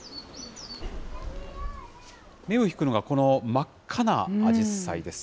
目を引くのが、この真っ赤なアジサイです。